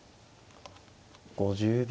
５０秒。